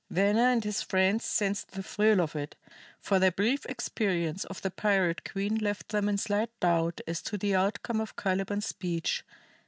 Venner and his friends sensed the thrill of it, for their brief experience of the pirate queen left them in slight doubt as to the outcome of Caliban's speech.